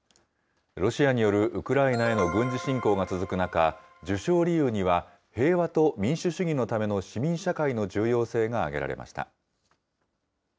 ロシアによるウクライナへの軍事侵攻が続く中、受賞理由には、平和と民主主義のための市民社会の重要性が挙げられました。